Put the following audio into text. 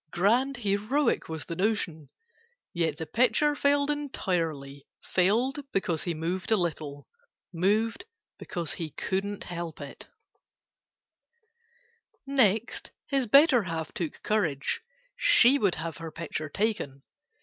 Grand, heroic was the notion: Yet the picture failed entirely: Failed, because he moved a little, Moved, because he couldn't help it. [Picture: First the Governor, the Father] Next, his better half took courage; She would have her picture taken.